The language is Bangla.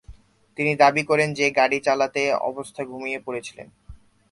তিনি দাবী করেন যে, গাড়ী চালানো অবস্থায় ঘুমিয়ে পড়েছিলেন।